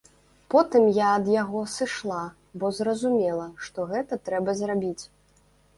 Потым я ад яго сышла, бо зразумела, што гэта трэба зрабіць.